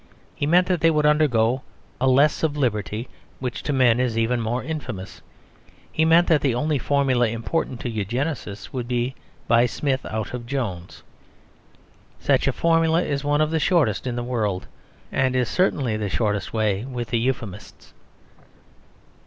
He meant that they would undergo a less of liberty which to men is even more infamous. He meant that the only formula important to Eugenists would be "by Smith out of Jones." Such a formula is one of the shortest in the world; and is certainly the shortest way with the Euphemists.